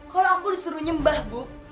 kalau aku disuruh nyembah bu